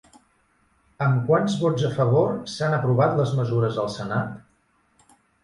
Amb quants vots a favor s'han aprovat les mesures al senat?